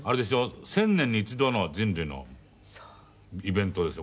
１０００年に一度の人類のイベントですよ